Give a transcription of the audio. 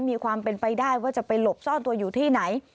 มีความเป็นไปได้ว่าจะไปหลบซ่อนตัวอยู่ที่ไหน